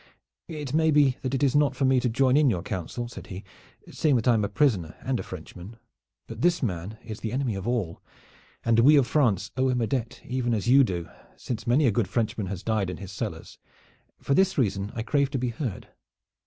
"It may be that it is not for me to join in your counsel," said he, "seeing that I am a prisoner and a Frenchman. But this man is the enemy of all, and we of France owe him a debt even as you do, since many a good Frenchman has died in his cellars. For this reason I crave to be heard."